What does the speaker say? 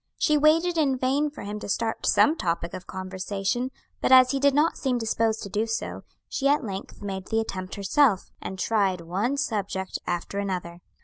She waited in vain for him to start some topic of conversation, but as he did not seem disposed to do so, she at length made the attempt herself, and tried one subject after another.